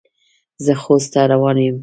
زه خوست ته روان یم.